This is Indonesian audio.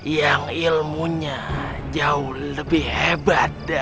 yang ilmunya jauh lebih hebat